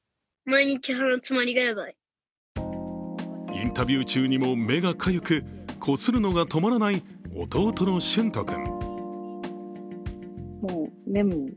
インタビュー中にも目がかゆく、こするのが止まらない弟の俊人君。